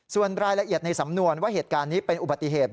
ส่วนรายละเอียดในสำนวนว่าเหตุการณ์นี้เป็นอุบัติเหตุ